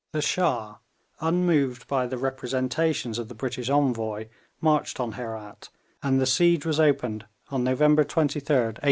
The Shah, unmoved by the representations of the British envoy, marched on Herat, and the siege was opened on November 23d, 1837.